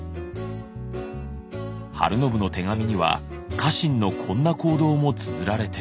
晴信の手紙には家臣のこんな行動もつづられている。